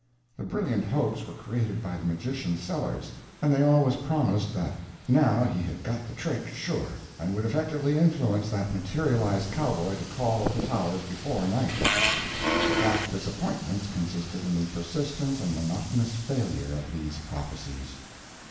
The brilliant hopes were created by the magician Sellers, and they always promised that now he had got the trick, sure, and would effectively influence that materialized cowboy to call at the Towers before night. The black disappointments consisted in the persistent and monotonous failure of these prophecies.